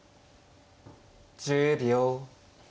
１０秒。